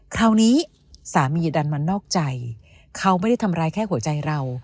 คราวนี้สามีดันมานอกใจเขาไม่ได้ทำร้ายแค่หัวใจเรา